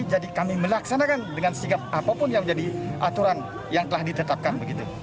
jadi kami melaksanakan dengan sikap apapun yang menjadi aturan yang telah ditetapkan